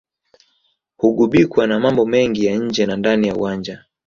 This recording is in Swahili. hugubikwa na mambo mengi ya nje na ndani ya uwanja